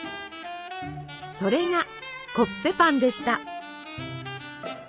それがコッペパンでした。